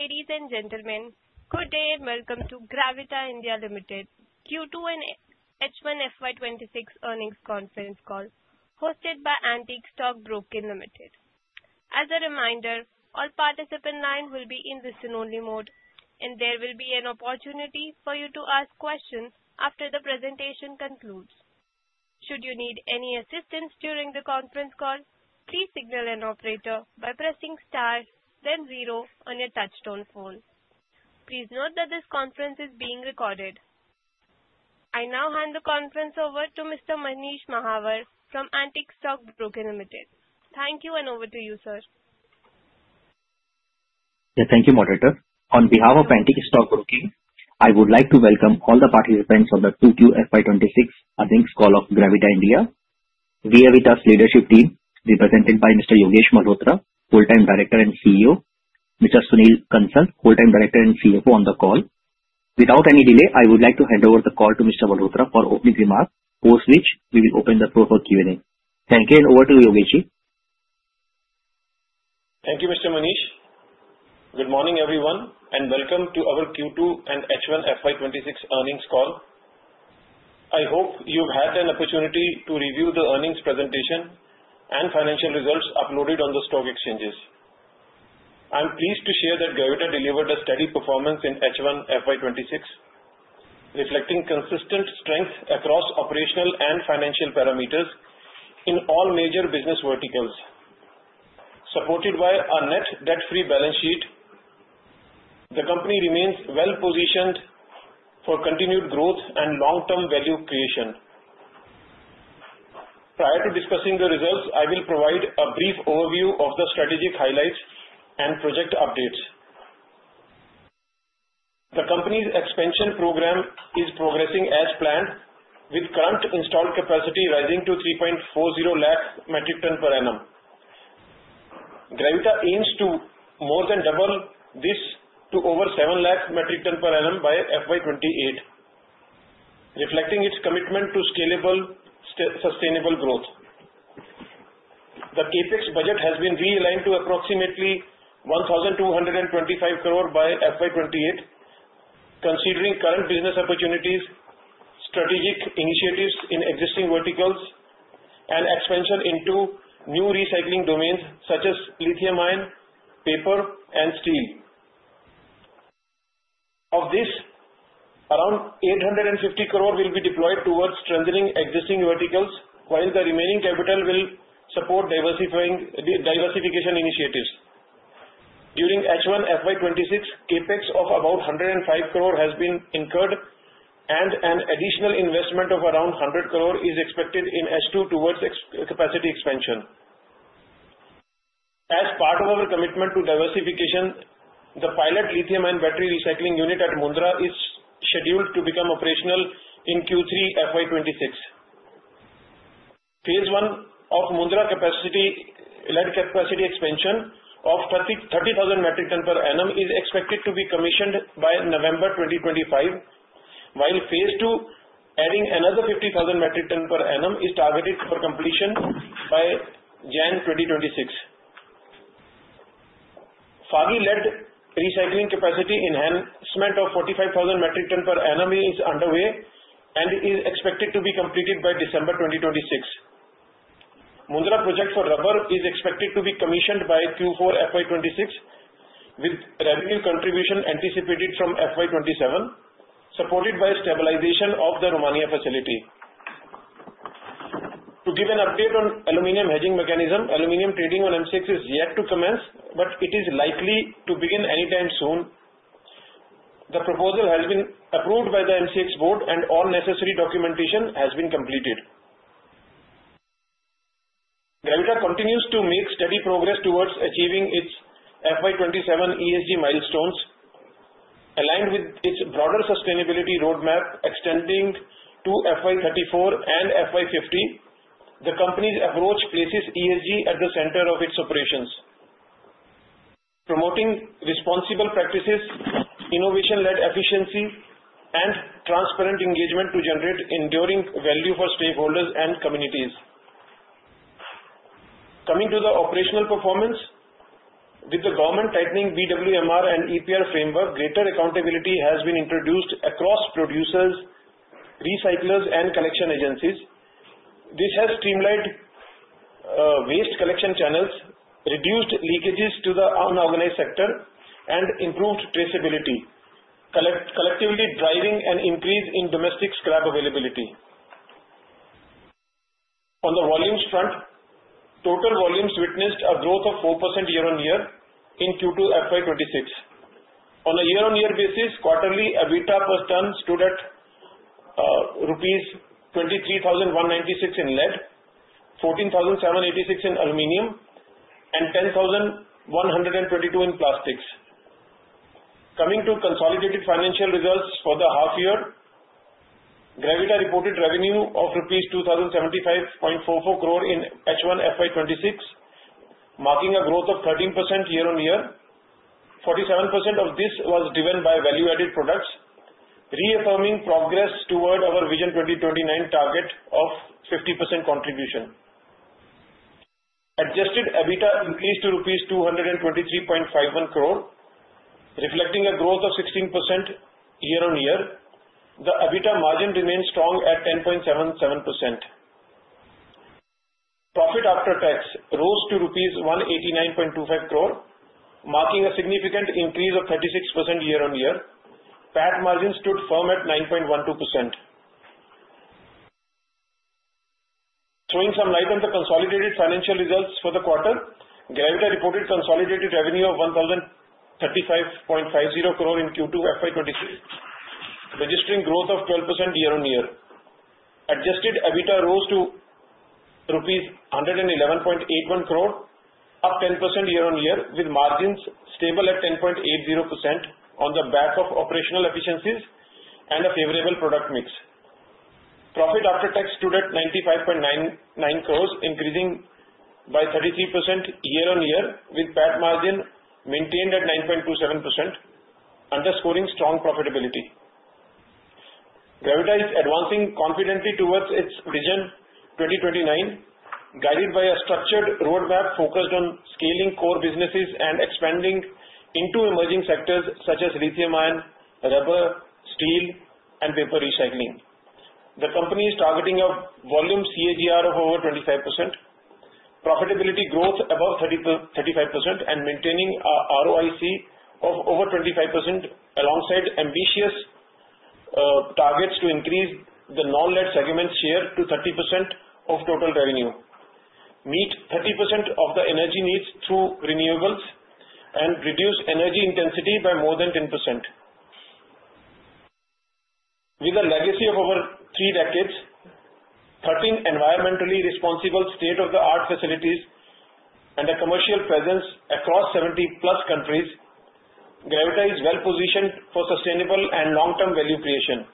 Ladies and gentlemen, good day and welcome to Gravita India Limited Q2 and H1 FY '26 earnings conference call hosted by Antique Stock Broking Limited. As a reminder, all participant lines will be in listen-only mode and there will be an opportunity for you to ask questions after the presentation concludes. Should you need any assistance during the conference call, please signal an operator by pressing star then zero on your touch-tone phone. Please note that this conference is being recorded. I now hand the conference over to Mr. Manish Mahawar from Antique Stock Broking Limited. Thank you, and over to you, sir. Thank you, Moderator. On behalf of Antique Stock Broking, I would like to welcome all the participants of the 2Q FY '26 call of Gravita India. We have with us the leadership team represented by Mr. Yogesh Malhotra, Whole Time Director and CEO, Mr. Sunil Kansal, Whole Time Director and CFO. On the call without any delay, I would like to hand over the call to Mr. Malhotra for opening remarks, post which we will open the floor for Q&A. Thank you. Over to Yogesh. Thank you Mr. Manish. Good morning everyone and welcome to our Q2 and H1 FY '26 earnings call. I hope you've had an opportunity to review the earnings presentation and financial results uploaded on the stock exchanges. I'm pleased to share that Gravita delivered a steady performance in H1 FY '26 reflecting consistent strength across operational and financial parameters in all major business verticals. Supported by our net debt free balance sheet, the company remains well positioned for continued growth and long term value creation. Prior to discussing the results, I will provide a brief overview of the strategic highlights and project updates. The company's expansion program is progressing as planned with current installed capacity rising to 3.40 lakhs metric tons per annum. Gravita aims to more than double this to over 7 lakh metric ton per annum by FY '28. Reflecting its commitment to scalable sustainable growth. The CapEx budget has been realigned to approximately 1,225 crore by FY '28. Considering current business opportunities, strategic initiatives in existing verticals and expansion into new recycling domains such as lithium-ion paper and steel. Of this, around 850 crore will be deployed towards strengthening existing verticals while the remaining capital will support diversification initiatives. During H1 FY '26, CapEx of about 105 crore has been incurred and an additional investment of around 100 crore is expected in H2 towards capacity expansion. As part of our commitment to diversification, the pilot lithium-ion battery recycling unit at Mundra is scheduled to become operational in Q3 FY '26. Phase I of Mundra lead capacity expansion of 30,000 metric ton per annum is expected to be commissioned by November 2025 while phase II adding another 50,000 metric ton per annum is targeted for completion by January 2026. Phagi lead recycling capacity enhancement of 45,000 metric ton per annum is underway and is expected to be completed by December 2026. Mundra project for rubber is expected to be commissioned by Q4 FY '26 with revenue contribution anticipated from FY '27 supported by stabilization of the Romania facility. To give an update on aluminum hedging mechanism. Aluminum trading on MCX is yet to commence but it is likely to begin anytime soon. The proposal has been approved by the MCX Board and all necessary documentation has been completed. Gravita continues to make steady progress towards achieving its FY '27 ESG milestones aligned with its broader sustainability roadmap extending to FY '34 and FY '50. The company's approach places ESG at the center of its operations. Promoting responsible practices, innovation-led efficiency and transparent engagement to generate enduring value for stakeholders and communities. Coming to the operational performance with the government tightening BWMR and EPR framework, greater accountability has been introduced across producers, recyclers and collection agencies. This has streamlined waste collection channels, reduced leakages to the unorganized sector and improved traceability collectively driving an increase in domestic scrap availability. On the volumes front, total volumes witnessed a growth of 4% year-on-year in Q2 FY '26 on a year-on-year basis. Quarterly EBITDA per ton stood at rupees 23,196 in lead, 14,786 in aluminum and 10,122 in plastics. Coming to consolidated financial results for the half year, Gravita reported revenue of rupees 2,075.44 crore in H1 FY '26 marking a growth of 13% year-on-year. 47% of this was driven by value added products reaffirming progress toward our Vision 2029 target of 50% contribution. Adjusted EBITDA increased to rupees 223.51 crore reflecting a growth of 16% year-on-year. The EBITDA margin remains strong at 10.77%. Profit after tax rose to 189.25 crore rupees, marking a significant increase of 36% year-on-year. PAT margin stood firm at 9.12%. Throwing some light on the consolidated financial results for the quarter. Gravita reported consolidated revenue of 1035.50 crore in Q2 FY '26, registering growth of 12% year-on-year. Adjusted EBITDA rose to rupees 111.81 crore up 10% year-on-year with margins stable at 10.80% on the back of operational efficiencies and a favorable product mix. Profit after tax stood at 95.9 crores, increasing by 33% year-on-year with PAT margin maintained at 9.27%. Underscoring strong profitability. Gravita is advancing confidently towards its Vision 2029 guided by a structured roadmap focused on scaling core businesses and expanding into emerging sectors such as lithium ion, rubber, steel and paper recycling. The company is targeting a volume CAGR of over 25% profitability growth above 35% and maintaining a ROIC of over 25% alongside ambitious targets to increase the non-lead segment share to 30% of total revenue, meet 30% of the energy needs through renewables and reduce energy intensity by more than 10%. With a legacy of over three decades, 13 environmentally responsible state-of-the-art facilities and a commercial presence across 70-plus countries, Gravita is well positioned for sustainable and long-term value creation.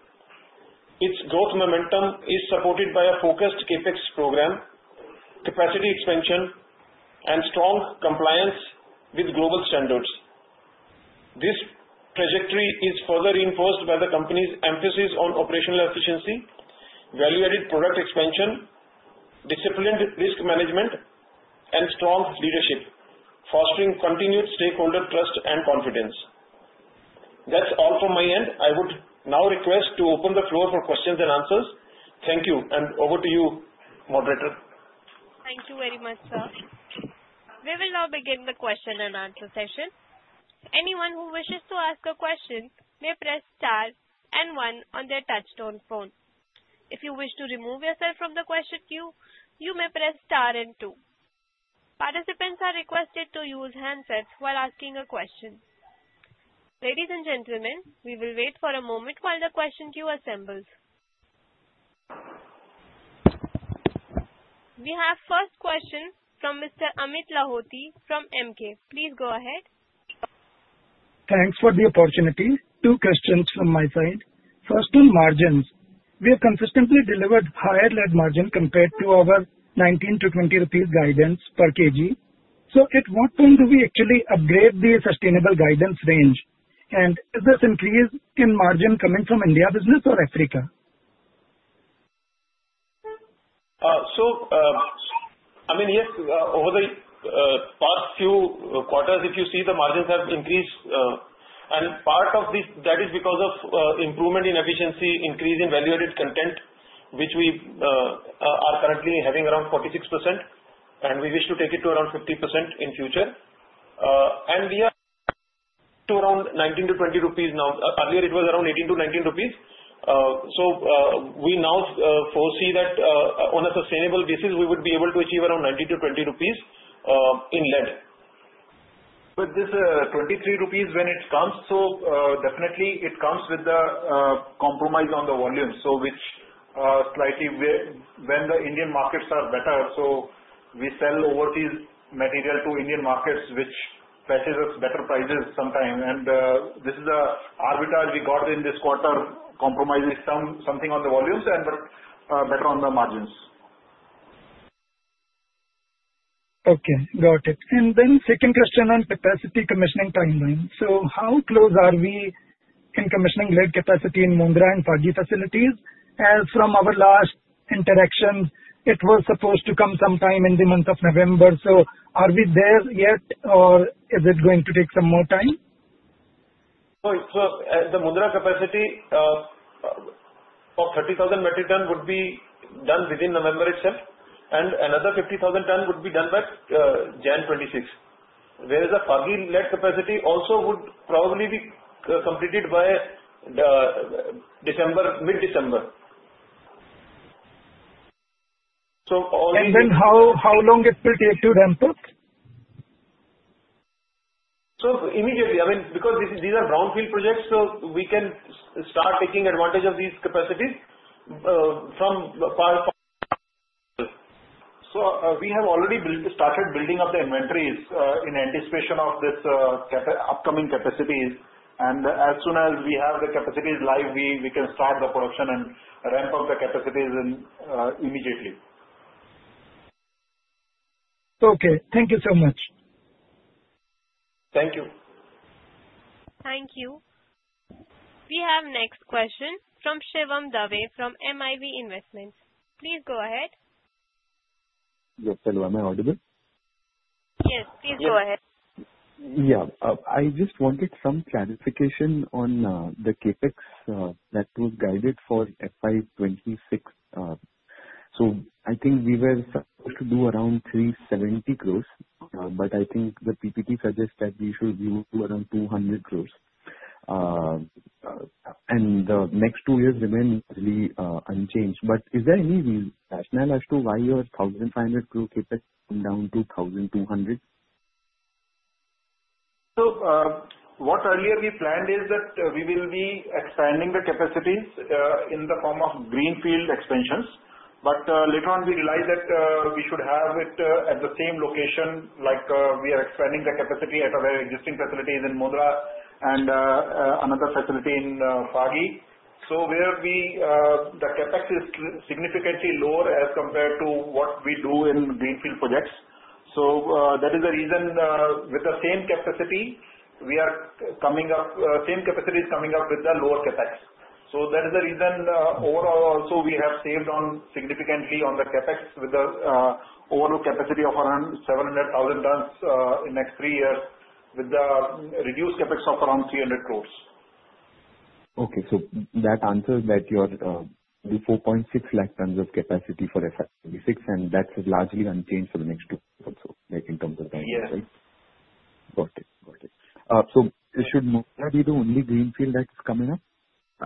Its growth momentum is supported by a focused CapEx program, capacity expansion and strong compliance with global standards. This trajectory is further reinforced by the company's emphasis on operational efficiency, value-added product expansion, disciplined risk management and strong leadership, fostering continued stakeholder trust and confidence. That's all from my end. I would now request to open the floor for questions and answers. Thank you and over to you, moderator. Thank you very much, sir. We will now begin the question and answer session. Anyone who wishes to ask a question may press star and one on their touchtone phone. If you wish to remove yourself from the question queue, you may press star and two. Participants are requested to use handsets while asking a question. Ladies and gentlemen, we will wait for a moment while the question queue assembles. We have first question from Mr. Amit Lahoti from Emkay. Please go ahead. Thanks for the opportunity. Two questions from my side. First on margins we have consistently delivered higher lead margin compared to our 19-20 rupees guidance per kg. So at what point do we actually upgrade the sustainable guidance range? And is this increase in margin coming from India business or Africa? So I mean yes, over the past few quarters if you see the margins have increased and part of this that is because of improvement in efficiency, increase in value-added content which we are currently having around 46% and we wish to take it to around 50% in future and we are at around 19-20 rupees. Now earlier it was around 18-19 rupees. We now foresee that on a sustainable basis we would be able to achieve around 19-20 rupees in lead. But this 23 rupees when it comes. It definitely comes with the compromise on the volume. Which slightly when the Indian markets are better. We sell overseas material to Indian markets which pays us better prices sometimes and this is the arbitrage we got in this quarter compromising something on the volumes and better on the margins. Okay, got it. Second question on capacity commissioning timeline. How close are we in commissioning lead capacity in Mundra and Phagi facilities? As from our last interaction, it was supposed to come sometime in the month of November, so are we there yet or is it going to take some more time? The Mundra capacity of 30,000 metric ton would be done within November itself and another 50,000 ton would be done by January 26th. Whereas a Phagi lead capacity also would probably be completed by mid-December. So, and then, how long it will take to Rampur? So immediately, I mean, because these are brownfield projects, so we can start taking advantage of these capacities from. So, we have already started building up the inventories in anticipation of this upcoming capacities, and as soon as we have the capacities live, we can start the production and ramp up the capacities immediately. Okay, thank you so much. Thank you. Thank you. We have next question from Shivam Dave from MIV Investments, please go ahead. Yes, hello, am I audible? Yes, please go ahead. Yeah, I just wanted some clarification on the CapEx that was guided for FY '26. So I think we were supposed to do around 370 crores but I think the PPT suggests that we should move to around 200 crores, and the next two years remain really unchanged. But is there any reason rationale as to why your 1,500 crore CapEx come down to 1,200? What earlier we planned is that we will be expanding the capacities in the form of greenfield expansions. But later on we realize that we should have it at the same location. Like we are expanding the capacity at our existing facilities in Mundra and another facility in Phagi. So the CapEx is significantly lower as compared to what we do in greenfield projects. So that is the reason with the same capacity we are coming up; the same capacity is coming up with the lower CapEx. So that is the reason overall also we have saved significantly on the CapEx with the overall capacity of around 700,000 tons in next three years with the reduced CapEx of around 300 crore. Okay, so that answers that you're 4.6 lakh tons of capacity for FY '26 and that's largely unchanged for the next two years or so, like in terms of. So should mobile be the only greenfield that's coming up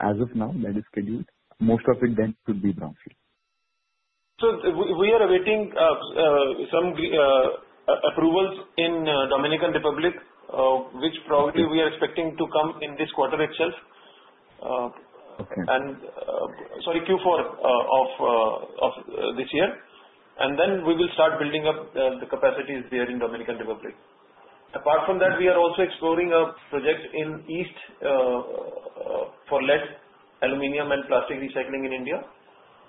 as of now that is scheduled? Most of it then could be brownfield. We are awaiting some approvals in Dominican Republic, which probably we are expecting to come in this quarter itself. Sorry, Q4 of this year and then we will start building up the capacities there in Dominican Republic. Apart from that, we are also exploring a project in east for lead, aluminum and plastic recycling in India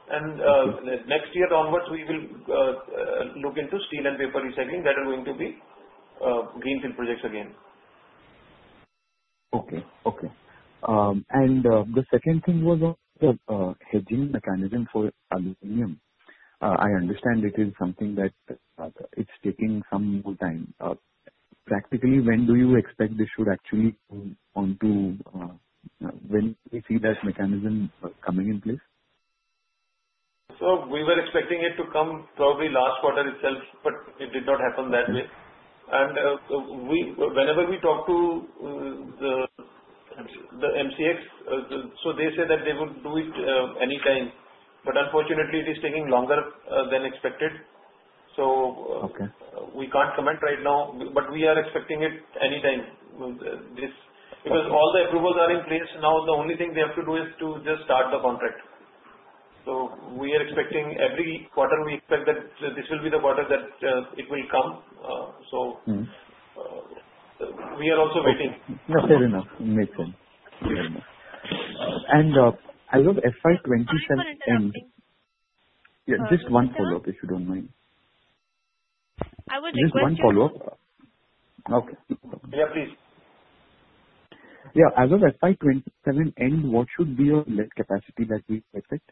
and next year onwards we will look into steel and paper recycling that are going to be greenfield projects again. Okay, okay. And the second thing was hedging mechanism for aluminum. I understand it is something that it's taking some time practically. When do you expect this should actually come into? When we see that mechanism coming into place? So we were expecting it to come probably last quarter itself but it did not happen that way. And whenever we talk to the MCX, so they say that they would do it anytime, but unfortunately it is taking longer than expected, so we can't comment right now. We are expecting it anytime because all the approvals are in place now. The only thing they have to do is to just start the contract, so we are expecting every quarter we expect that this will be the quarter that it will come so, we are also waiting. Fair enough. Make sense. And as of FY '27 end, just one follow up if you don't mind. I would just one follow up. Okay. Yeah, please. Yeah. As of FY '27 end, what should be your lead capacity that we expect?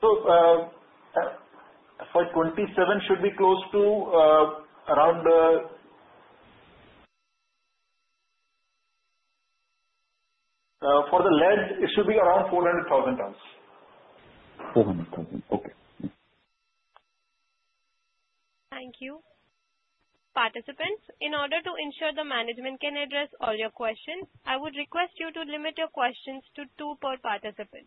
So, for 27 should be close to around, for the lead it should be around 400,000 tonnes. Okay. Thank you, participants. In order to ensure the management can address all your questions, I would request you to limit your questions to two per participant.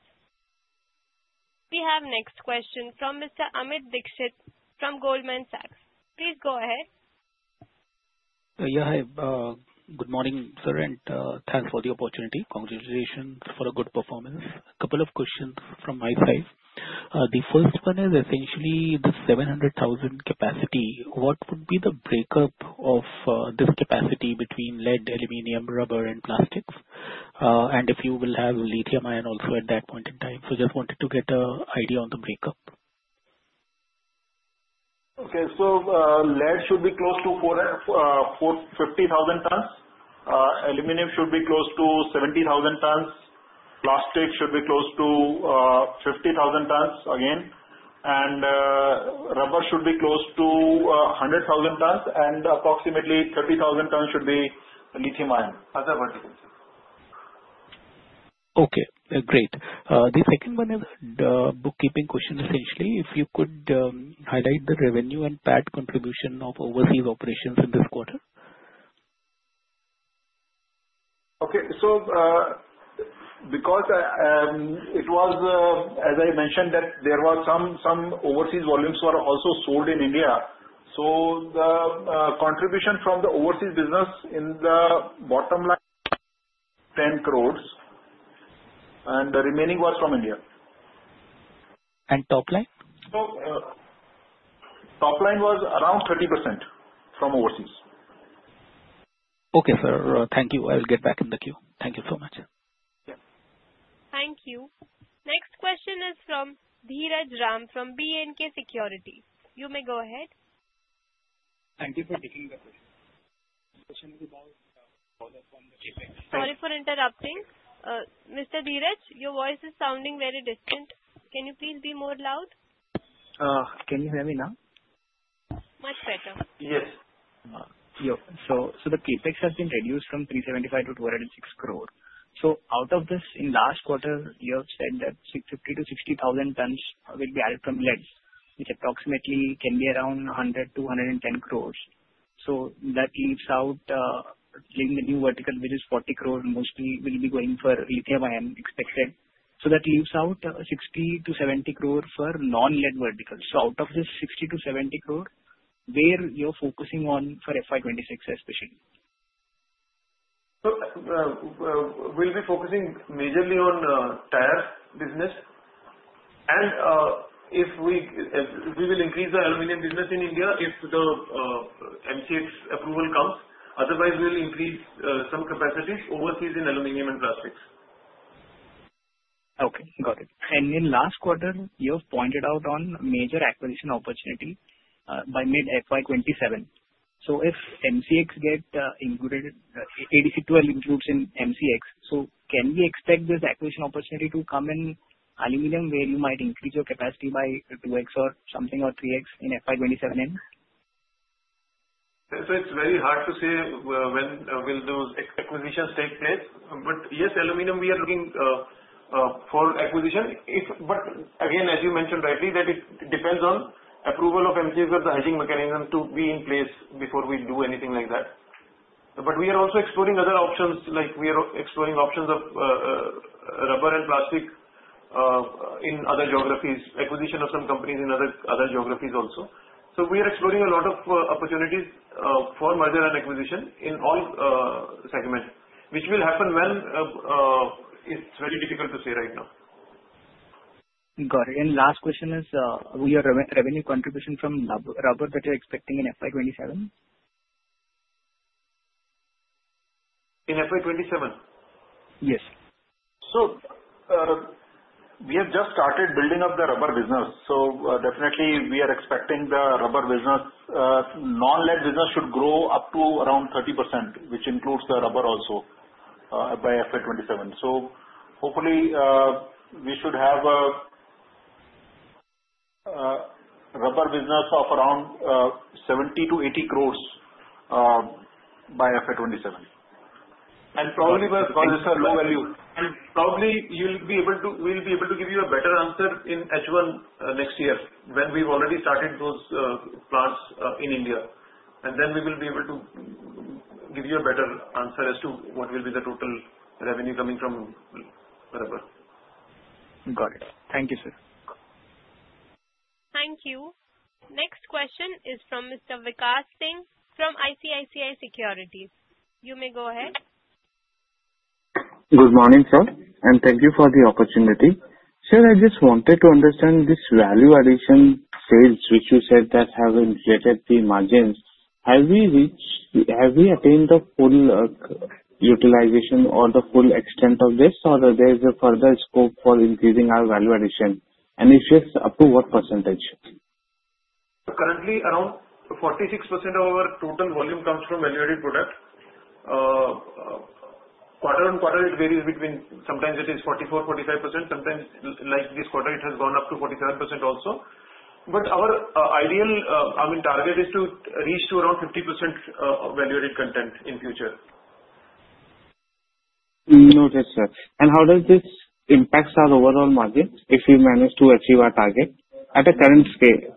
We have next question from Mr. Amit Dixit from Goldman Sachs. Please go ahead. Yeah, hi, good morning, sir, and thanks for the opportunity. Congratulations for a good performance. Couple of questions from my side. The first one is essentially the 700,000 capacity. What would be the breakup of this capacity between lead, aluminium, rubber and plastics, and if you will have lithium ion also at that point in time, so just wanted to get an idea on the breakup. Okay, so lead should be close to 50,000 tons. Aluminum should be close to 70,000 tons. Plastic should be close to 50,000 tons again and rubber should be close to 100,000 tons. And approximately 30,000 tons should be lithium-ion, other verticals. Okay, great. The second one is bookkeeping question. Essentially if you could highlight the revenue and PAT contribution of overseas operations in this quarter? Okay, so because it was, as I mentioned, that there was some overseas volumes were also sold in India. So the contribution from the overseas business in the bottom line 10 crores. And the remaining was from India. Top line? Top line was around 30% from overseas. Okay sir. Thank you. I will get back in the queue. Thank you so much. Thank you. Next question is from Dheeraj Ram from B&K Securities. You may go ahead. Thank you for taking the question. Sorry for interrupting. Mr. Dhiraj, your voice is sounding very distant. Can you please be more loud? Can you hear me now? Much better. Yes. So the CapEx has been reduced from 375 crore-206 crore. So out of this, in last quarter you have said that 50,000-60,000 tons will be added from lead, which approximately can be around 100-110 crore. So that leaves out in the new vertical, which is 40 crore, mostly will be going for lithium-ion expected. So that leaves out 60-70 crore for non-lead verticals. So out of this 60-70 crore, where you're focusing on for FY '26's expansion? We'll be focusing majorly on tire business. And if we will increase the aluminum business in India if the MCX approval comes. Otherwise we will increase some capacity overseas in aluminum and plastics. Okay, got it. And in last quarter you have pointed out on major acquisition opportunity by mid FY '27. So if MCX get included ADC12 includes in MCX. So can we expect this acquisition opportunity to come in aluminum where you might increase your capacity by 2x or something or 3x in FY '27N? It's very hard to say when those acquisitions will take place. But yes, aluminum we are looking for acquisition. But again as you mentioned rightly that it depends on approval of MCX or the hedging mechanism to be in place before we do anything like that. But we are also exploring other options. Like we are exploring options of rubber and plastic in other geographies. Acquisition of some companies in other geographies also. So we are exploring a lot of opportunities for merger and acquisition in all segments which will happen when it's very difficult to say right now. Got it. And last question. Is your revenue contribution from rubber that you're expecting in FY '27? In FY '27? Yes. So we have just started building up the rubber business. So definitely we are expecting the rubber business non-lead business should grow up to around 30% which includes the rubber also by FY '27. So hopefully we should have a rubber business of around 70-80 crores by FY '27 and probably low value, and probably you will be able to, we'll be able to give you a better answer in H1 next year when we've already started those plants in India, and then we will be able to give you a better answer as to what will be the total revenue coming from. Got it. Thank you, sir. Thank you. Next question is from Mr. Vikas Singh from ICICI Securities. You may go ahead. Good morning, sir, and thank you for the opportunity. Sir, I just wanted to understand this value addition sales which you said that have inflated the margins. Have we reached, have we attained the full utilization or the full extent of this, or there is a further scope for increasing our value addition, and it's just up to what percentage? Currently around 46% of our total volume comes from value added product, quarter-on-quarter it varies between, sometimes it is 44%-45%, sometimes like this quarter it has gone up to 45% also. But our ideal, I mean target is to reach to around 50% value added content in future. Noted, sir, and how does this impact our overall margins, if we manage to achieve our target at a current scale?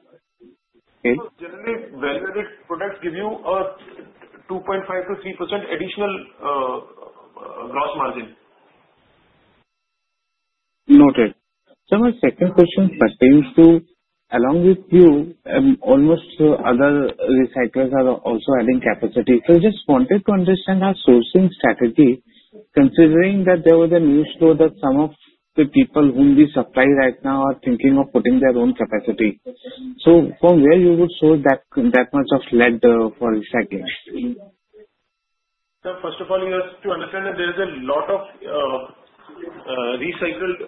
Generally, value added products give you a 2.5%-3% additional gross margin. Noted. So my second question pertains to along with you all other recyclers are also adding capacity. So just wanted to understand your sourcing strategy. Considering that there was a new source that some of the people whom you supply right now are thinking of putting their own capacity. So from where would you source that much of lead for recycling? First of all, you have to understand that there is a lot of recycled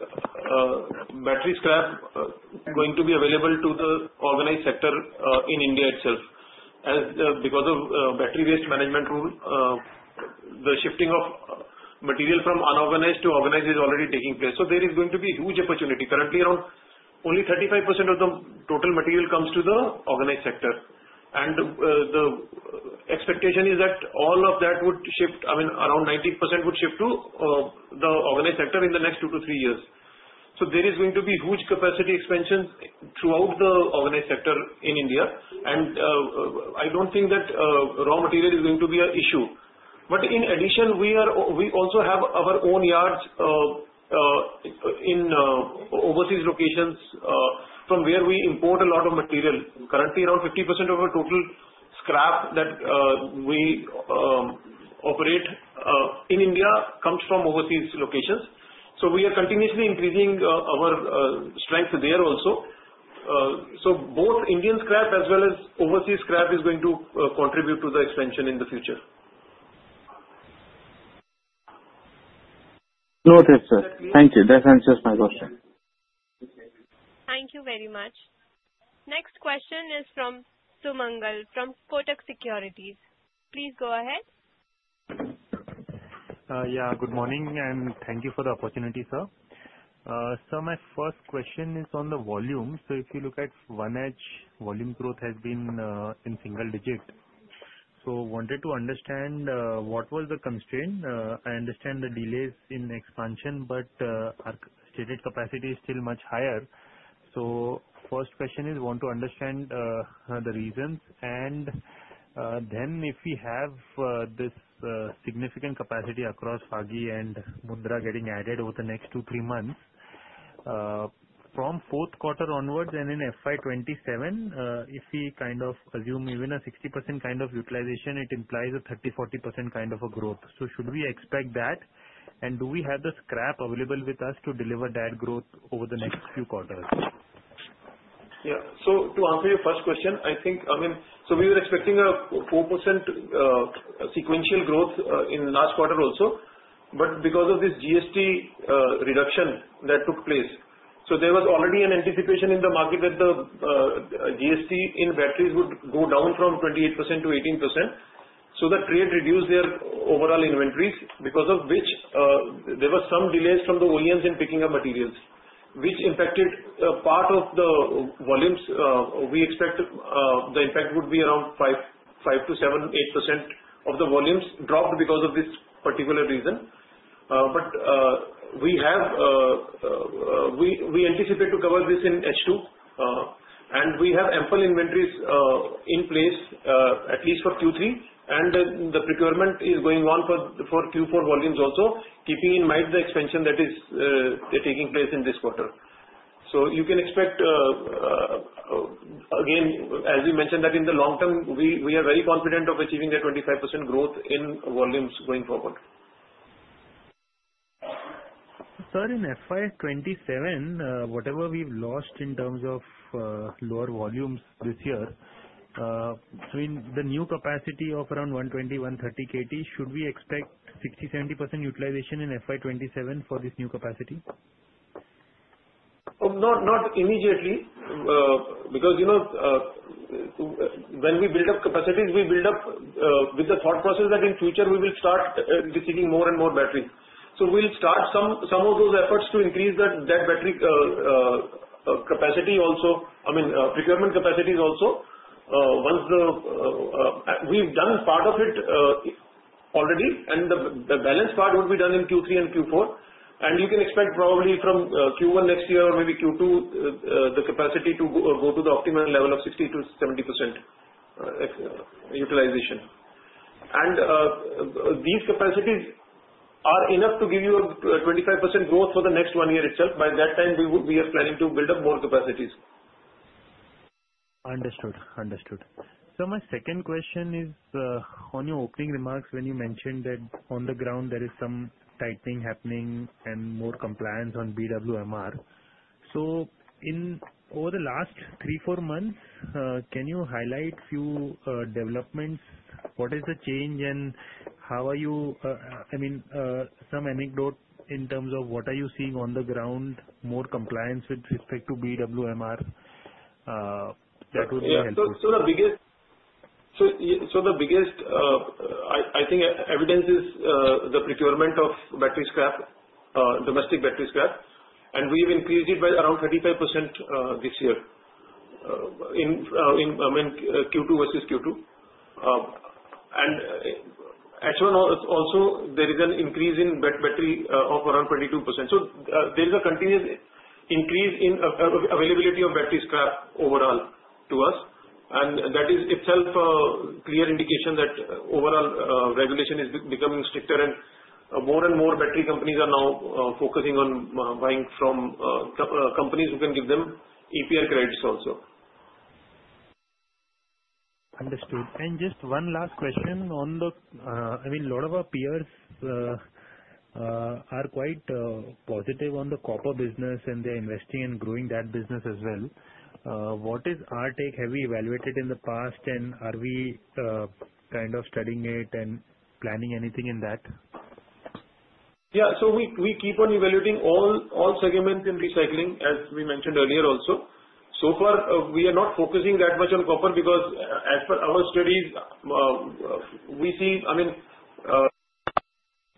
battery scrap is going to be available to the organized sector in India itself because of battery waste management rule. The shifting of material from unorganized to organized is already taking place, so there is going to be huge opportunity. Currently around only 35% of the total material comes to the organized sector, and the expectation is that all of that would shift. I mean around 90% would shift to the organized sector in the next two to three years, so there is going to be huge capacity expansion throughout the organized sector in India. I don't think that raw material is going to be an issue, but in addition we also have our own yards. In overseas locations from where we import a lot of material. Currently around 50% of our total scrap that we operate in India comes from overseas locations. So we are continuously increasing our strength there also. So both Indian scrap as well as overseas scrap is going to contribute to the expansion in the future. Notice that. Thank you. That answers my question. Thank you very much. Next question is from Sumangal from Kotak Securities. Please go ahead. Yeah, good morning and thank you for the opportunity sir. So my first question is on the volume. So if you look at 1h volume growth has been in single digit. So wanted to understand what was the constraint. I understand the delays in expansion but stated capacity is still much higher. So first question is want to understand the reasons. And then if we have this significant capacity across Phagi and Mundra getting added over the next two, three months. From fourth quarter onwards and in FY '27, if we kind of assume even a 60% kind of utilization, it implies a 30%-40% kind of a growth. So should we expect that and do we have the scrap available with us to deliver that growth over the next few quarters? Yes. So, to answer your first question, I think, I mean, so we were expecting a 4% sequential growth in last quarter also, but because of this GST reduction that took place. So there was already an anticipation in the market that the GST in batteries would go down from 28%-18%. So the trade reduced their overall inventories because of which there were some delays from the OEMs in picking up materials which impacted part of the volumes. We expect the impact would be around 5%-8% of the volumes dropped because of this particular reason. But we have, we anticipate to cover this in H2 and we have ample inventories in place at least for Q3 and the procurement is going on for Q4 volumes, also keeping in mind the expansion that is taking place in this quarter. So you can expect, again, as we mentioned that in the long term we are very confident of achieving the 25% growth in volumes going forward. Sir, in FY '27, whatever we've lost in terms of lower volumes this year. So in the new capacity of around 120-130 kt should we expect 60%-70% utilization in FY '27 for this new capacity? Not immediately, because you know when we build up capacities we build up with the thought process that in future we will start receiving more and more battery. So we will start some of those efforts to increase that, that battery capacity also. I mean, procurement capacity is also once we have done part of it already and the balance part would be done in Q3 and Q4 and you can expect probably from Q1 next year or maybe Q2 the capacity to go to the optimal level of 60%-70% utilization. And these capacities are enough to give you 25% growth for the next one year itself. By that time we are planning to build up more capacities. Understood, Understood. So my second question is on your opening remarks when you mentioned that on the ground there is some tightening happening and more compliance on BWMR. So, in over the last three, four months, can you highlight few developments? What is the change and how are you, I mean, some anecdote in terms of what are you seeing on the ground, more compliance with respect to BWMR? That would be helpful. So, the biggest, I think, evidence is the procurement of battery scrap, domestic battery scrap, and we've increased it by around 35% this year. Q2 versus Q2 and H1, also there is an increase in battery of around 22%. So there is a continuous increase in availability of battery scrap overall to us. And that is itself a clear indication that overall regulation is becoming stricter and more and more battery companies are now focusing on buying from companies who can give them EPR credits also. Understood. And just one last question on the I mean a lot of our peers are quite positive on the copper business and they are investing and growing that business as well. What is our take, have we evaluated in the past and are we kind of studying it and planning anything in that? Yes, so we keep on evaluating all segments in recycling as we mentioned earlier also. So far we are not focusing that much on copper because as per our studies we see, I mean,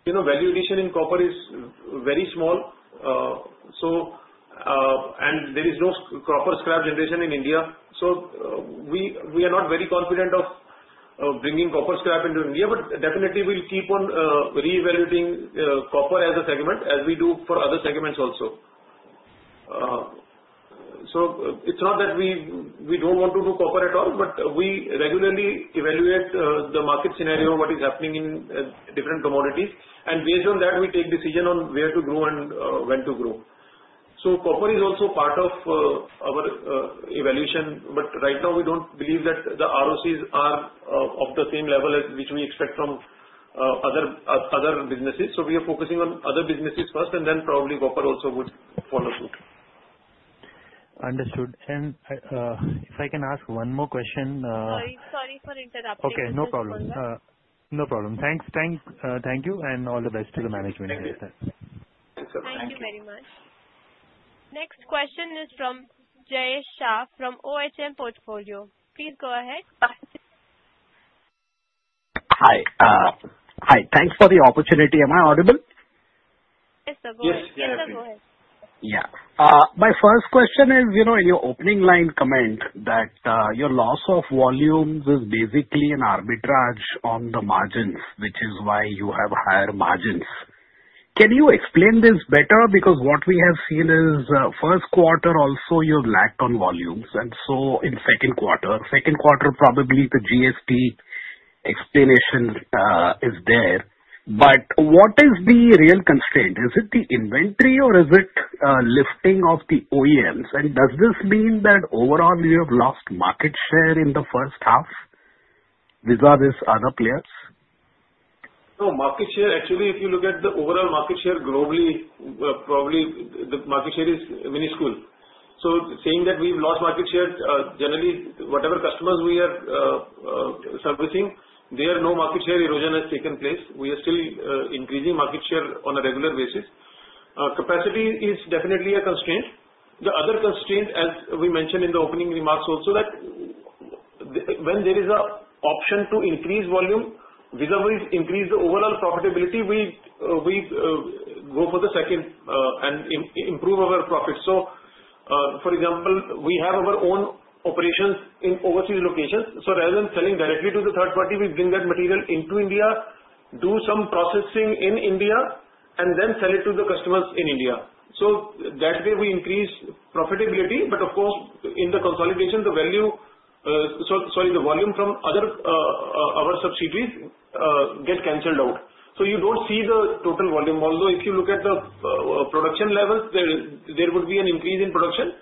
valuation in copper is very small. There is no copper scrap generation in India. We are not very confident of bringing copper scrap into India. Definitely we'll keep on reevaluating copper as a segment as we do for other segments also.It's not that we don't want to do copper at all, but we regularly evaluate the market scenario, what is happening in different commodities and based on that we take decision on where to grow and when to grow. Copper is also part of our evaluation. But right now we don't believe that the ROCs is of the same level as which we expect from other businesses. We are focusing on other businesses first and then probably copper also would follow suit. Understood. And if I can ask one more question. Sorry for interrupting. Okay, no problem. Thanks. Thank you. And all the best to the management. Thank you very much. Next question is from Jayesh Shah from OHM Portfolio. Please go ahead. Hi. Hi. Thanks for the opportunity, am I audible? Yeah, my first question is, you know, in your opening line comment that your loss of volumes is basically an arbitrage on the margins, which is why you have higher margins. Can you explain this better? Because what we have seen is first quarter also you lacked on volumes, and so in second quarter, probably the GST explanation is there. But what is the real constraint? Is it the inventory or is it lifting of the OEMs? Does this mean that overall you have lost market share in the first half vis-a-vis other players? No market share, actually, if you look at the overall market share globally, probably the market share is minuscule. So saying that we've lost market share generally, whatever customers we are servicing, there's no market share erosion has taken place. We are still increasing market share on a regular basis. Capacity is definitely a constraint. The other constraint, as we mentioned in the opening remarks also that when there is an option to increase volume vis-a-vis, we increase the overall profitability, we go for the second and improve our profits. So for example, we have our own operations in overseas locations. So rather than selling directly to the third party, we bring that material into India, do some processing in India and then sell it to the customers in India. So that way we increase profitability. Of course, in the consolidation, the value, sorry, the volume from our other subsidiaries get cancelled out. So you don't see the total volume. Although if you look at the production levels, there would be an increase in production.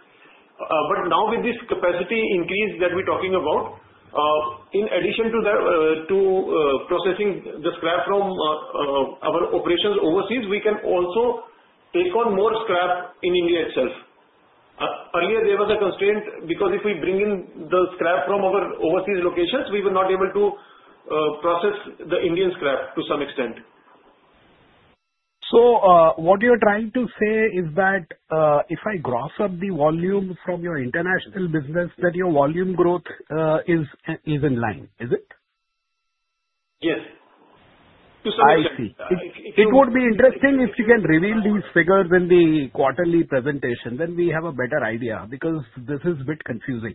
Now with this capacity increase that we're talking about, in addition to processing the scrap from our overseas operations, we can also take on more scrap in India itself. Earlier there was a constraint because if we bring in the scrap from our overseas locations, we were not able to process the Indian scrap to some extent. So what you are trying to say is that if I add up the volume from your international business, that your volume growth is even line, is it? Yes. I see. It would be interesting if you can reveal these figures in the quarterly presentation, then we have a better idea because this is a bit confusing.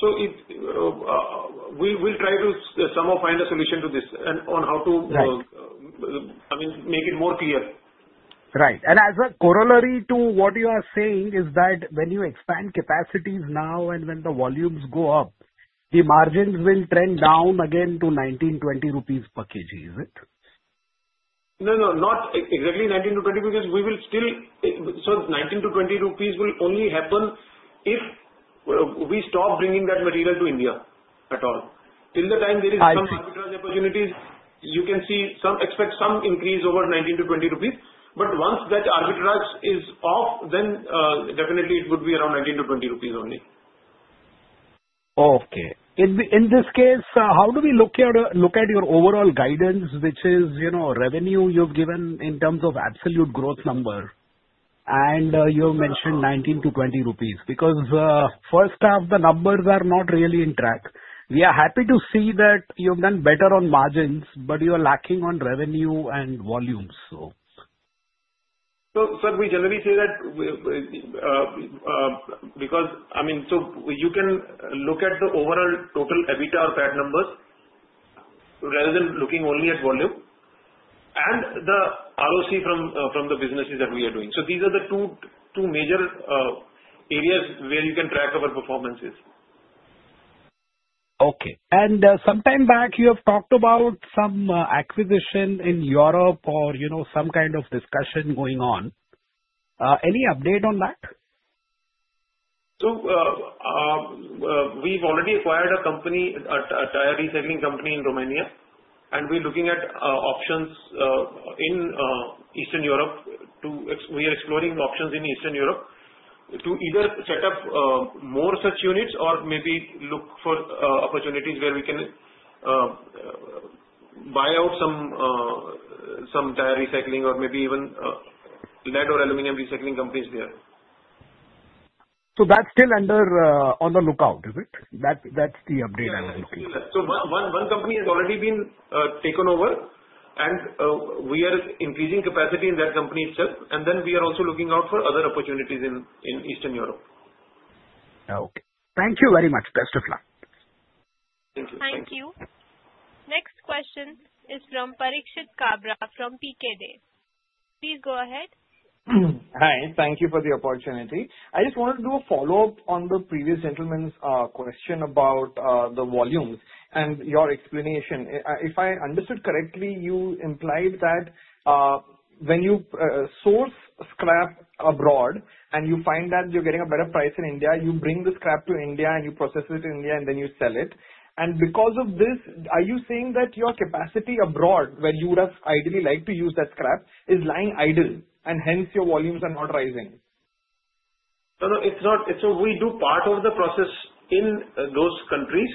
So we will try to somehow find a solution to this and on how to make it more clear. Right. As a corollary to what you you're saying is that when you expand capacities now and when the volumes go up, the margins will trend down again to 19-20 rupees per kg, is it? No, no, not exactly 19-20 because we will still, so 19-20 rupees will only happen if we stop bringing that material to India at all. Till the time there is some arbitrage opportunities, you can see some, expect some increase over 19-20 rupees. But once that arbitrage is off, then definitely it would be around 19-20 rupees only. Okay. In this case, how do we look here, look at your overall guidance, which is, you know, revenue you've given in terms of absolute growth number? And you mentioned 19-20 rupees, because first half, the numbers are not really on track. We are happy to see that you have done better on margins, but you are lacking on revenue and volumes so. So, sir, we generally say that, because -- I mean, so you can look at the overall total EBITDA or PAT numbers rather than looking only at volume and the ROC from the businesses that we are doing. So these are the two major areas where you can track our performances. Okay. And sometime back you have talked about some acquisition in Europe or you know, some kind of discussion going on. Any update on that? So, we've already acquired a company, tire recycling company in Romania and we're looking at options in Eastern Europe. We are exploring options in Eastern Europe to either set up more such units or maybe look for opportunities where we can buy out some die recycling or maybe even lead or aluminum recycling companies there. So that's still on the lookout, is it? That -- that's the update I was looking. One company has already been taken over and we are increasing capacity in that company itself. Then we are also looking out for other opportunities in Eastern Europe. Okay, thank you very much. Best of luck. Thank you. Next question is from Parikshit Kabra from Pkeday. Please go ahead. Hi. Thank you for the opportunity. I just wanted to do a follow up on the previous gentleman's question about the volumes and your explanation. If I understood correctly, you implied that when you source scrap abroad and you find that you're getting a better price in India, you bring the scrap to India and you process it in India and then you sell it. And because of this, are you saying that your capacity abroad, where you would have ideally liked to use that scrap, is lying idle and hence your volumes are not rising? No, no, it's not. So we do part of the process in those countries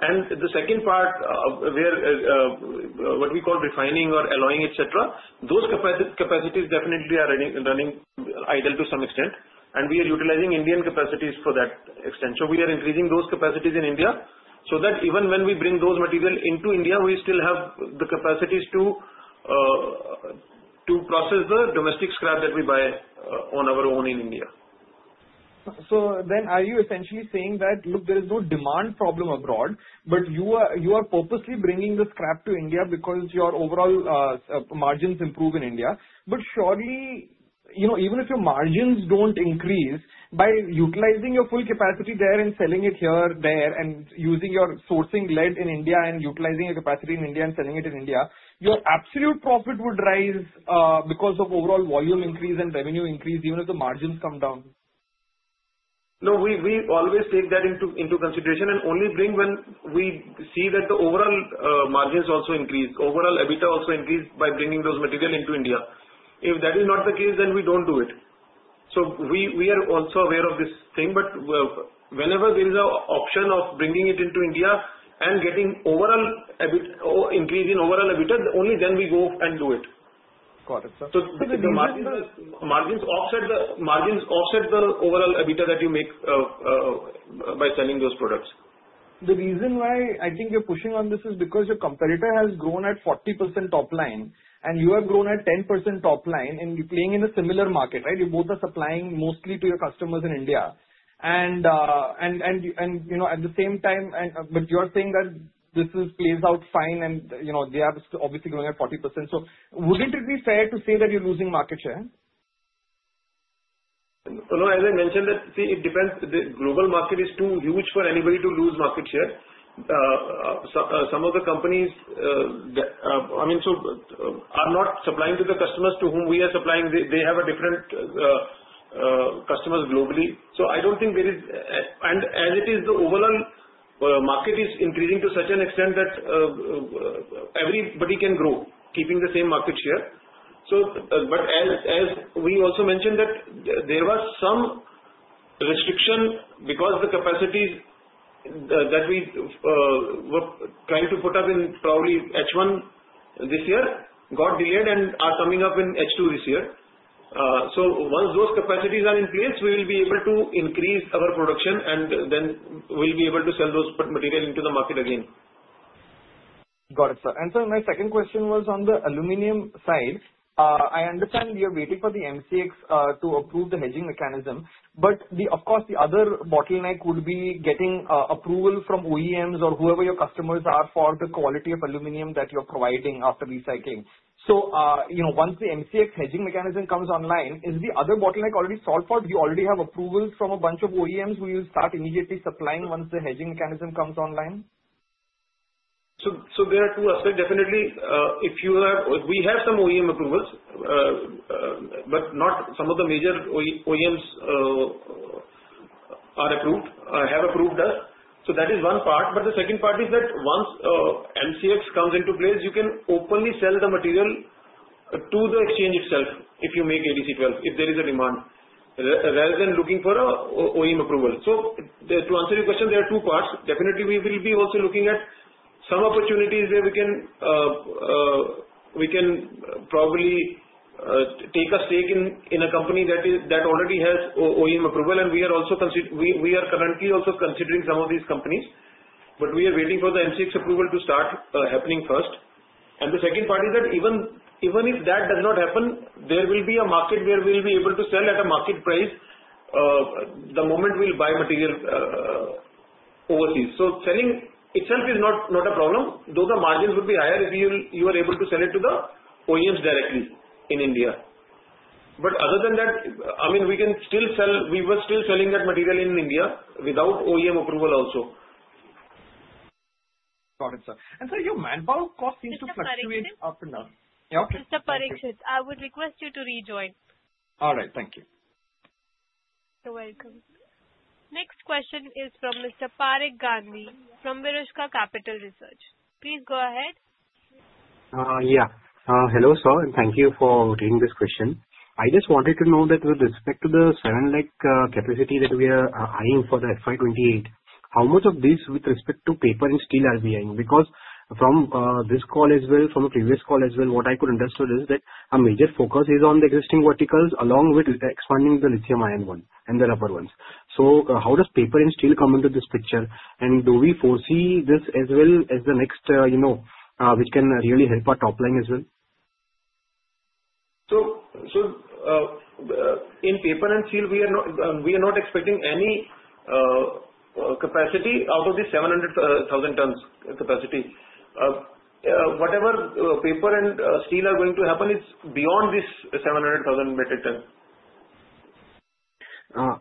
and the second part, what we call refining or alloying, et cetera, those capacities definitely are running idle to some extent. And we are utilizing Indian capacities for that. So we are increasing those capacities in India so that even when we bring those material into India, we still have the capacities to process the domestic scrap that we buy on our own in India. So then are you essentially saying that look, there is no demand problem abroad, but you are purposely bringing the scrap to India because your overall margins improve in India? But surely even if your margins don't increase by utilizing your full capacity there and selling it here there and using your sourcing lead in India and utilizing your capacity in India and selling it in India, your absolute profit would rise because of overall volume increase and revenue increase even if the margins come down. No, we always take that into consideration and only bring when we see that the overall margins also increased over overall EBITDA also increased by bringing those material into India. If that is not the case, then we don't do it. So we are also aware of this thing, but whenever there is an option of bringing it into India and getting overall increase in overall EBITDA, only then we go and do it. Margins offset the overall EBITDA that you make by selling those products. The reason why I think you're pushing on this is because your competitor has grown at 40% top line and you have grown at 10% top line and you're playing in a similar market, right? You both are supplying mostly to your customers in India and at the same time but you're saying that this plays out fine and they are obviously growing at 40%. So wouldn't it be fair to say that you're losing market share? As I mentioned that it depends. The global market is too huge for anybody to lose market share. Some of the companies, I mean, are not supplying to the customers to whom we are supplying. They have a different customers globally. So I don't think there is. And as it is, the overall market is increasing to such an extent that everybody can grow keeping the same market share. But as we also mentioned that there was some restriction because the capacities that we were trying to put up in probably H1 this year got delayed and are coming up in H2 this year. So once those capacities are in place, we will be able to increase our production and then we will be able to sell those material into the market again. Got it, sir. And so my second question was on the aluminium side, I understand you're waiting for the MCX to approve the hedging mechanism, but of course the other bottleneck would be getting approval from OEMs or whoever your customers are for the quality of aluminum that you're providing after recycling. So, once the MCX hedging mechanism comes online, is the other bottleneck already solved for? Do you already have approval from a bunch of OEMs who you see start immediately supplying once the hedging mechanism comes online? So there are two aspects definitely if you have, we have some OEM approvals but not some of the major OEMs are approved, have approved us. So that is one part. But the second part is that once MCX comes into place, you can openly sell the material to the exchange itself if you make ADC12 if there is a demand rather than looking for OEM approval. So to answer your question, there are two parts. Definitely we will be also looking at some opportunities where we can probably take a stake in a company that already has OEM approval. And we are currently also considering some of these companies. But we are waiting for the MCX approval to start happening first, the second part is that even if that does not happen, there will be a market where we will be able to sell at a market price the moment we will buy material overseas. So selling itself is not a problem though the margins would be higher if you are able to sell it to the OEMs directly in India. But other than that, I mean we can still sell, we were still selling that material in India without OEM approval also. Got it sir. And so your manpower cost seems to fluctuate up and down. Mr. Parikshit, I would request you to rejoin. All right, thank you. You're welcome. Next question is from Mr. Parikh Gandhi from Verushka Capital Research. Please go ahead. Yeah, hello, sir, and thank you for taking this question. I just wanted to know that with respect to the 7 lakh capacity that we are eyeing for the FY '28, how much of these with respect to paper and steel are we in? Because from this call as well, from a previous call as well, what I could understood is that a major focus is on the existing verticals along with expanding the lithium ion one and the rubber ones. So how does paper and steel come into this picture and do we foresee this as well as the next, you know, which can really help our top line as well. So, in paper and steel we are not expecting any capacity out of the 700,000 tons capacity. Whatever paper and steel are going to happen is beyond this 700,000 metric ton.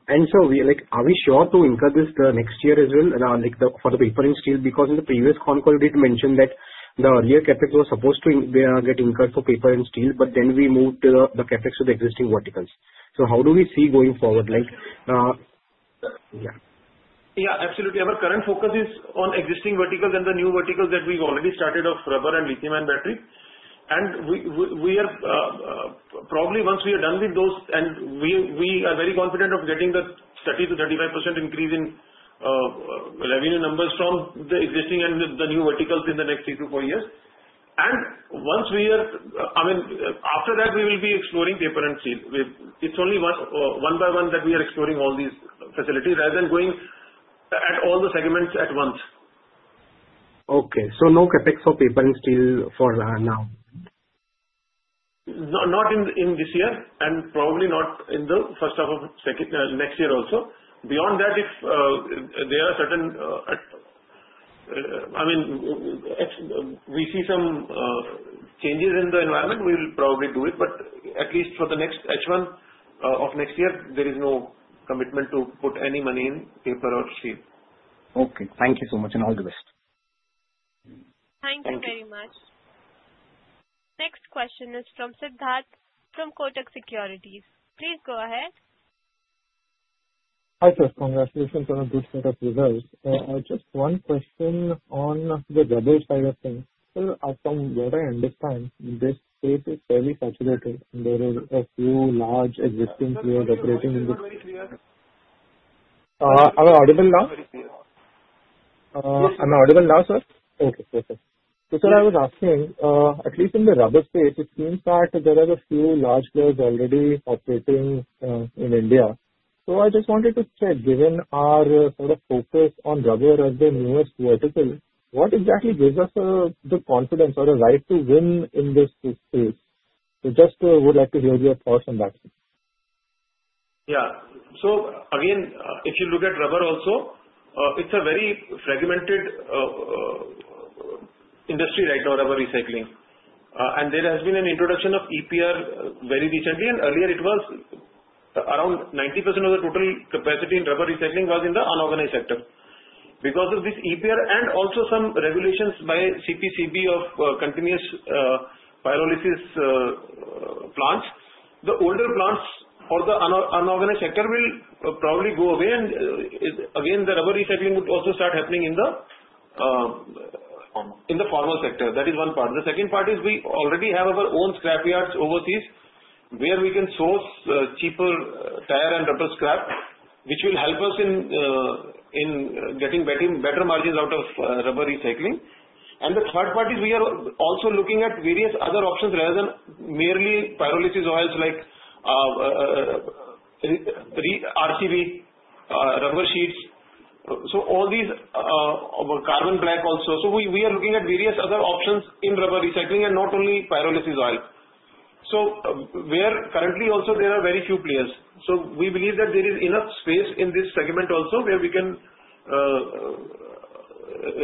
And so we like, are we sure to incur this next year as well like for the paper and steel, because in the previous con call we did mention that the earlier CapEx was supposed to get incurred for paper and steel, but then we moved the CapEx to the existing verticals. So how do we see going forward like? Yes, absolutely. Our current focus is on existing verticals and the new verticals that we've already started of rubber and lithium-ion battery. And we are probably, once we are done with those, and we are very confident of getting the 30%-35% increase in revenue numbers from the existing and the new verticals in the next three to four years. And once we are, I mean after that we will be exploring paper and steel. It's only one by one that we are exploring all these facilities rather than going at all the segments at once. Okay, so no CapEx for paper and steel for now. Not in this year and probably not in the first half of next year also. Beyond that, if there are certain -- I mean we see some changes in the environment, we will probably do it, but at least for the next H1 of next year, there is no commitment to put any money in paper or steel. Okay, thank you so much and all the best. Thank you very much. Next question is from Siddharth from Kotak Securities. Please go ahead. Hi sir. Congratulations on a good set of results. Just one question on the other side of things. From what I understand, this space is fairly saturated. There are a few large existing players operating -- Am I audible now? Am I audible now, sir? Okay, so sir, I was asking at least in the rubber space, it seems that there are a few large players already operating in India. So I just wanted to check, given our sort of focus on rubber as the newest vertical, what exactly gives us the confidence or a right to win in this space. Just would like to hear your thoughts on that. Yeah, so again, if you look at rubber also, it's a very fragmented industry, right now, rubber recycling. And there has been an introduction of EPR and earlier it was around 90% of the total capacity in rubber recycling was in the unorganized sector. Because of this EPR and also some regulations by CPCB of continuous pyrolysis plants, the older plants for the unorganized sector will probably go away. And again, the rubber recycling would also start happening in the formal sector. That is one part. The second part is we already have our own scrap yards overseas where we can source cheaper tire and rubber scrap which will help us in getting better margins out of rubber recycling. And the third part is we are also looking at various other options rather than merely pyrolysis oils like RCV rubber sheets. So all these carbon black also. So we are looking at various other options in rubber recycling and not only pyrolysis oil. So where currently also there are very few players. So we believe that there is enough space in this segment also where we can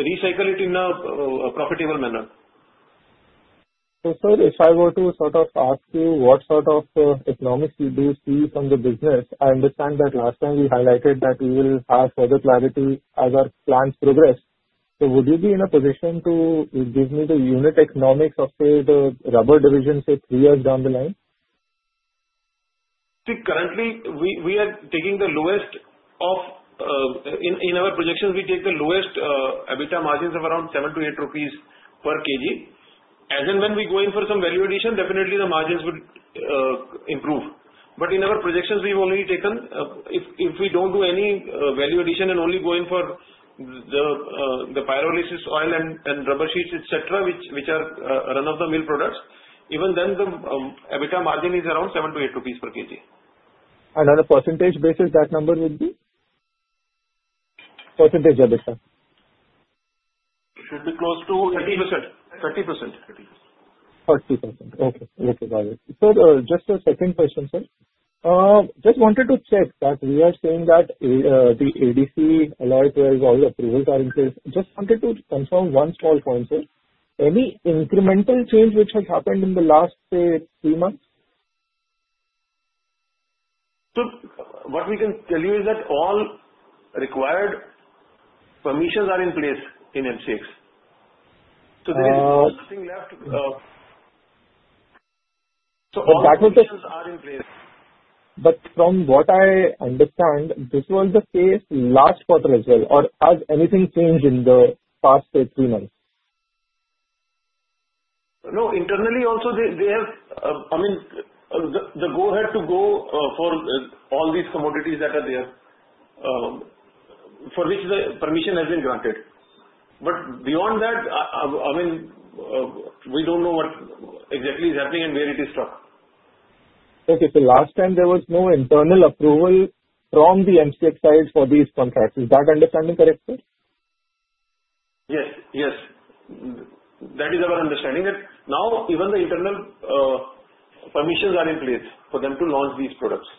recycle it in a profitable manner. Sir, if I were to sort of ask you what sort of economics you do see from the business. I understand that last time we highlighted that we will have further clarity as our plants progress. So would you be in a position to give me the unit economics of say the rubber division, say three years down the line? See, currently we are taking the lowest of. In our projections we take the lowest EBITDA margins of around 7-8 rupees per kg. As and when we go in for some value addition definitely the margins would improve. But in our projections we've only taken if we don't do any value addition and only going for the pyrolysis oil and rubber sheets etc. Which are run-of-the-mill products. Even then the EBITDA margin is around 7-8 rupees per kg. And on a percentage basis that number would be? Percentage EBITDA? It should be close to 30%. 30%. Okay. Okay, so just a second question, sir. Just wanted to check that we are saying that the ADC Alloy 12 all approvals are in place. Just wanted to confirm one small point, sir. Any incremental change which has happened in the last, say, three months? So what we can tell you is that all required permissions are in place in MCX. So there is nothing left, so all -- But from what I understand this was the case last quarter as well. Or has anything changed in the past three months? No, internally also they have -- I mean, the goal had to go for all these commodities that are there for which the permission has been granted. But beyond that, I mean we don't know what exactly is happening and where it is stuck. Okay, so last time there was no internal approval from the MCX side for these contracts. Is that understanding correct, sir? Yes, yes, that is our understanding that now even the internal permissions are in place for them to launch these products.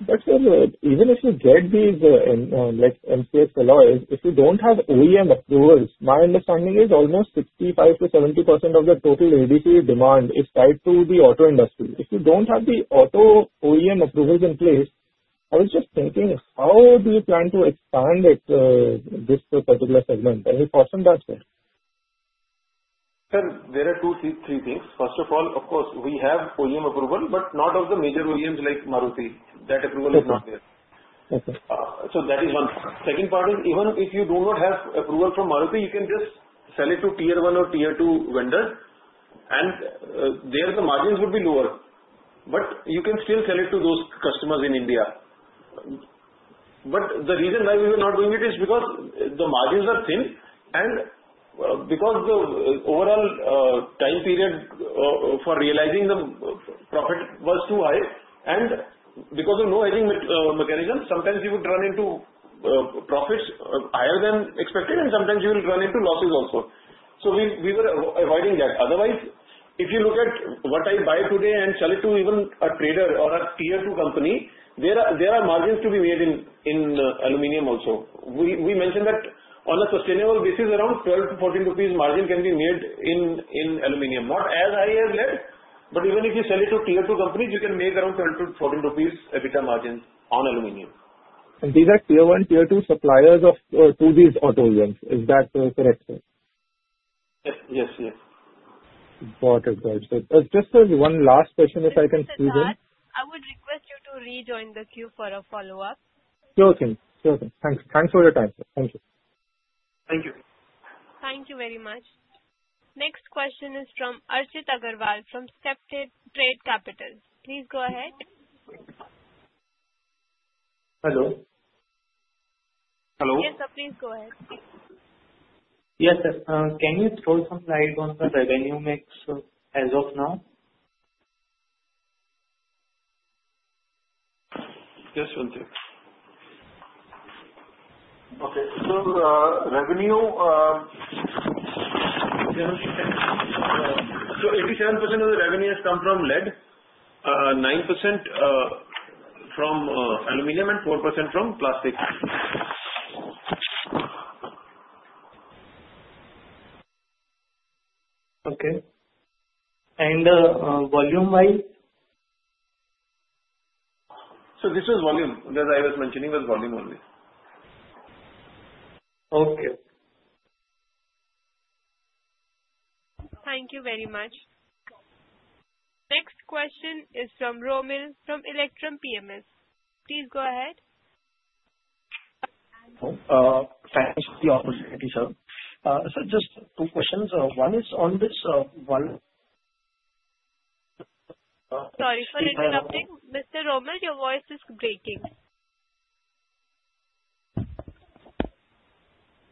But even if you get these like MCX alloys, if you don't have OEM approvals, my understanding is almost 65%-70% of the total ADC demand is tied to the auto industry. If you don't have the auto OEM approvals in place, I was just thinking how do you plan to expand this particular segment? Any thoughts on that sir? There are two, three things. First of all, of course we have OEM approval but not of the major OEMs like Maruti. That approval is not there. So that is one. Second part is even if you do not have approval from Maruti you can just sell it to tier one or tier two vendor. And there the margins would be lower. But you can still sell it to those customers in India. But the reason why we were not doing it is because the margins are thin and because the overall time period for realizing the profit was too high. And because of no hedging mechanism, sometimes you would run into profits higher than expected and sometimes you will run into losses also, so we were avoiding that. Otherwise if you look at what I buy today and sell it to even a trader or a tier two company there are margins to be made in aluminium also. We mentioned that on a sustainable basis around 12-14 rupees margin can be made in aluminium, not as high as lead. But even if you sell it to tier two companies you can make around 12-14 rupees EBITDA margins on aluminium. These are tier one tier two suppliers of two of these auto OEMs. Is that correct? Yes. Yes. Got it. Right, so just as one last question, if I can. I would request you to rejoin the queue for a follow up. Sure thing. Thanks for your time. Thank you. Thank you. Thank you very much. Next question is from Archit Agarwal from Steptrade Capital. Please go ahead. Hello. Hello. Yes, sir. Please go ahead. Yes, sir. Can you throw some slides on the revenue mix as of now? Yes. One thing. Okay, so revenue. 87% of the revenue has come from lead. 9% from aluminum and 4% from plastic. Okay. Volume wise? So this was volume, as I was mentioning, was volume only. Okay. Thank you very much. Next question is from Romil from Electrum PMS. Please go ahead. Thanks for the opportunity. Sir, just two questions. One is on this one. Sorry for interrupting. Mr. Romil, your voice is breaking.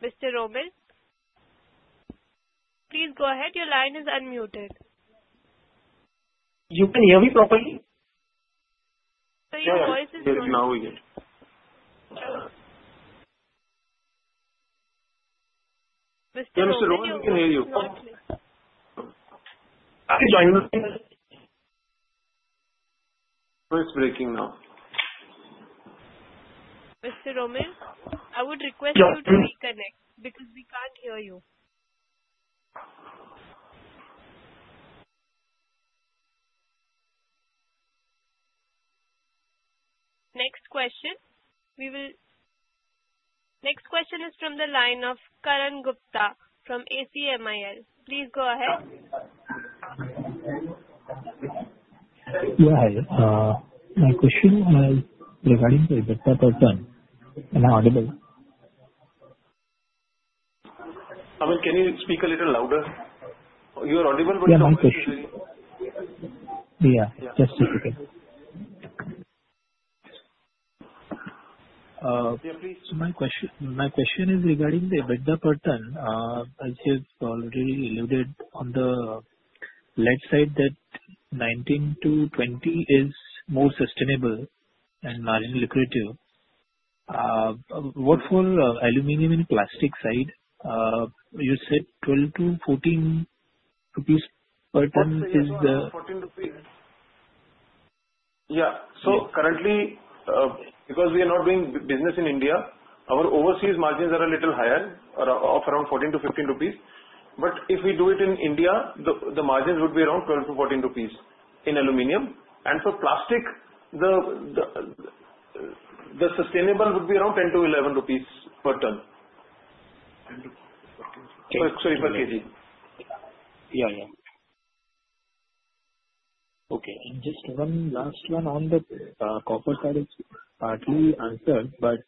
Mr. Romil. Please go ahead. Your line is unmuted. You can hear me properly. Mr. Romil, I would request you to reconnect because we can't hear you. Next question. We will. Next question is from the line of Karan Gupta from ACMIIL. Please go ahead. My question is regarding the EBITDA person. Am I audible? Can you speak a little louder? You are audible. My question is regarding the EBITDA per ton. As you've already alluded on the left side that 19-20 is more sustainable and marginally accretive. What for aluminum and plastic side? You said 12-14 rupees. Yeah. Currently, because we are not doing business in India, our overseas margins are a little higher of around 14-15 rupees. But if we do it in India, the margins would be around 12-14 rupees in aluminium. And for plastic, the sustainable would be around 10-11 rupees per ton. Sorry, for kg. Yeah, yeah. Okay. And just one last one on the copper card is partly answered. But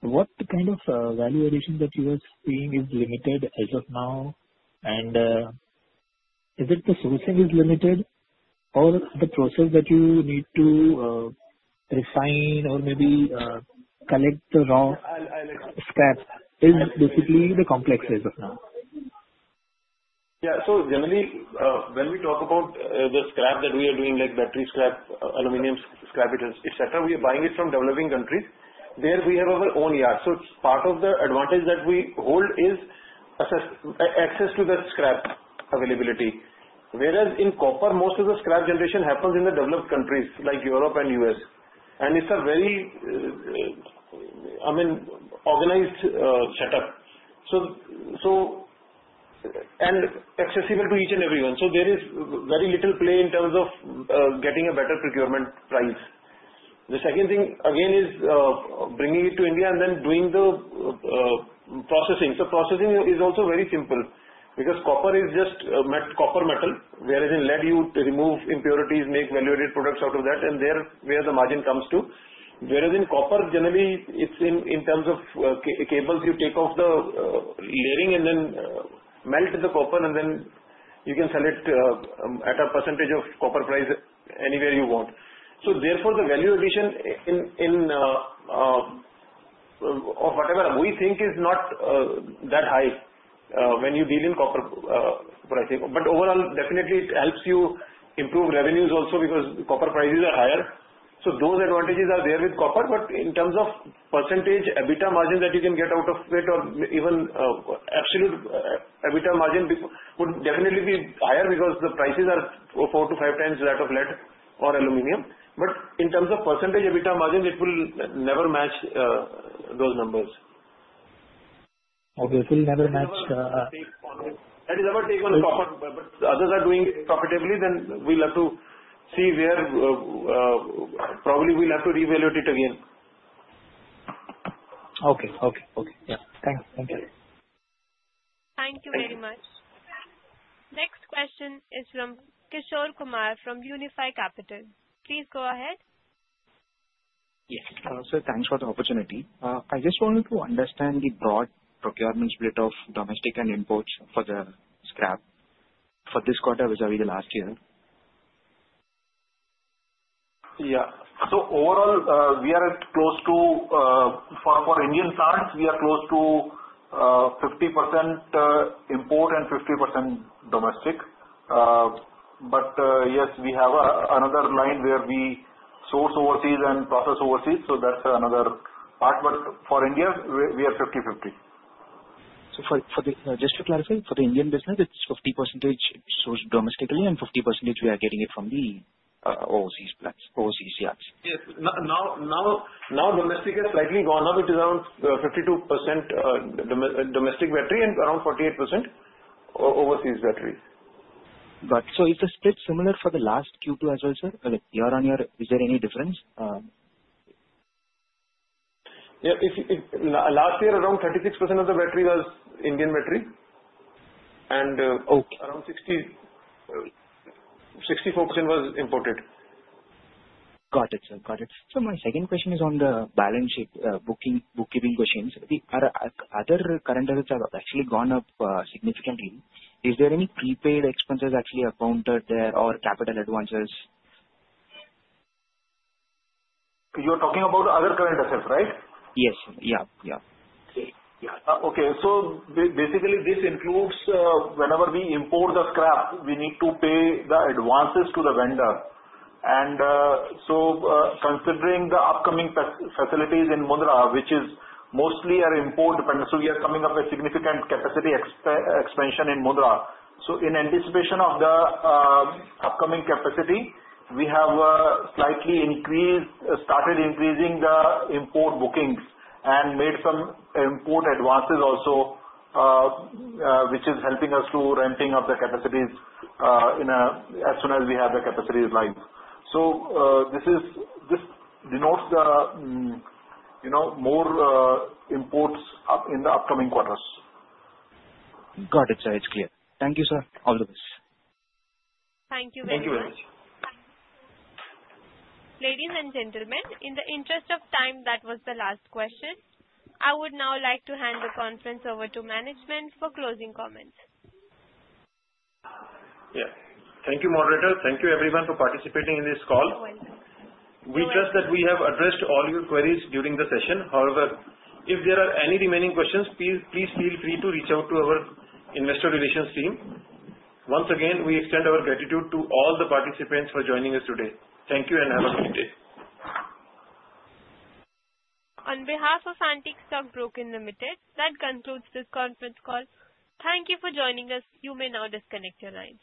what kind of value addition that you are seeing is limited as of now and is it the sourcing is limited or the process that you need to refine or maybe collect the raw scrap is basically the complex as of now? Yeah. So generally, when we talk about the scrap that we are doing, like battery scrap, aluminium scrap it is, etc. We are buying it from developing countries, there we have our own yard. So part of the advantage that we hold is access to the scrap availability. Whereas in copper, most of the scrap generation happens in the developed countries like Europe and U.S. And it's a very, I mean organized setup. And it's accessible to each and everyone. So there is very little play in terms of getting a better procurement price. The second thing again is bringing it to India and then doing the processing. So processing is also very simple because copper is just copper metal. Whereas in lead, you remove impurities, make value-added products out of that, and that's where the margin comes to. Whereas in copper generally it is in terms of cables. You take off the layering and then melt the copper and then you can sell it at a percentage of copper price anywhere you want. So therefore the value addition in. Whatever we think is not that high when you deal in copper pricing. But overall, definitely it helps you improve revenues also because copper prices are higher. So those advantages are there with copper. But in terms of percentage EBITDA margin that you can get out of it or even absolute EBITDA margin would definitely be higher because the prices are four to five times that of lead or aluminum. But in terms of percentage EBITDA margin, it will never match those numbers. Okay, it will never match. That is our take on. But others are doing profitably. Then we'll have to see where probably we'll have to reevaluate it again. Okay. Yeah, thanks. Thank you very much. Next question. Question is from Kishore Kumar from Unifi Capital. Please go ahead. Yes, sir. Thanks for the opportunity. I just wanted to understand the broad procurement split of domestic and imports for the scrap for this quarter vis-a-vis the last year. Yeah. For Indian yards, we are close to 50% import and 50% domestic. But yes, we have another line where we source overseas and process overseas. So that's another part. But for India we are 50/50. So just to clarify, for the Indian business, it's 50% sourced domestically and 50% we are getting it from the overseas plants. Overseas yards. Now domestic has slightly gone up. It is around 52% domestic battery and around 48% overseas battery. But so is the split similar for the last Q2 as well, sir? Year on year, is there any difference? Last year around 36% of the battery was Indian battery and around 60-64% was imported. Got it, sir. Got it. So my second question is on the balance sheet. Booking, bookkeeping machines, other current assets have actually gone up significantly. Is there any prepaid expenses actually accounted there or capital advances? You are talking about other current assets, right? Yes. Yeah, yeah. Okay. Basically this includes whenever we import the scrap, we need to pay the advances to the vendor and so considering the upcoming facilities in Mundra, which is mostly import-intensive, we are coming up with significant capacity expansion in Mundra, so in anticipation of the upcoming capacity, we have slightly increased, started increasing the import bookings and made some import advances also, which is helping us ramp up the capacities as soon as we have the capacity online. So this denotes the, you know, more imports in the upcoming quarters. Got it, sir. It's clear. Thank you, sir. All the best. Thank you very much. Thank you very much. Ladies and gentlemen, in the interest of time, that was the last quarter. I would now like to hand the conference over to management for closing comments. Thank you, moderator. Thank you everyone for participating in this call. We trust that we have addressed all your queries during the session. However, if there are any remaining questions, please feel free to reach out to our investor relations team. Once again, we extend our gratitude to all the participants for joining us today. Thank you and have a good day. On behalf of Antique Stock Broking Limited, that concludes this conference call. Thank you for joining us. You may now disconnect your lines.